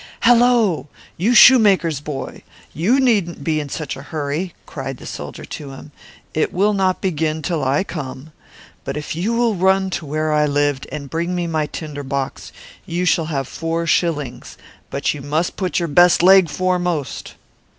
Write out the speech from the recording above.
"Hallo, you shoemaker's boy, you need not be in such a hurry," cried the soldier to him. "There will be nothing to see till I come; but if you will run to the house where I have been living, and bring me my tinder box, you shall have four shillings, but you must put your best foot foremost."